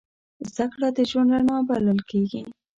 زدهکړه د ژوند رڼا بلل کېږي.